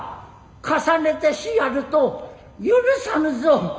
重ねてしやると許さぬぞ。